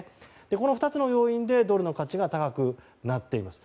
この２つの要因でドルの価値が高くなっています。